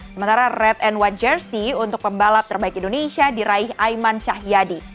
sementara red and one jersey untuk pembalap terbaik indonesia diraih aiman cahyadi